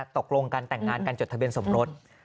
ตกลงกันแต่งงานกันจดทะเบียนสมรส